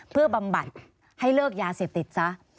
เพื่อบำบัดให้เลิกยาเสพติดซะ